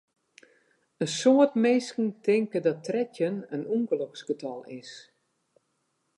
In soad minsken tinke dat trettjin in ûngeloksgetal is.